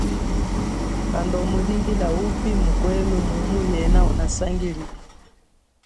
Kanda umulingila mukwenu upi mumu yena unasangilile.